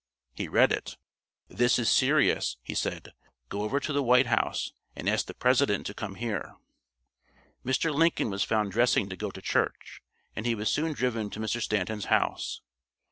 He read it. "This is serious," he said. "Go over to the White House and ask the President to come here." Mr. Lincoln was found dressing to go to church, and he was soon driven to Mr. Stanton's house.